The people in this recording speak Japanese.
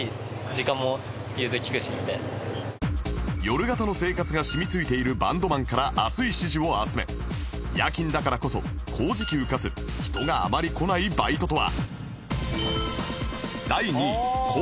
夜型の生活が染みついているバンドマンから熱い支持を集め夜勤だからこそ高時給かつ人があまり来ないバイトとは？